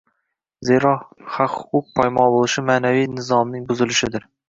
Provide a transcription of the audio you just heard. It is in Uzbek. zero haq-huquq poymol bo‘lishi – ma’naviy nizomning buzilishidir.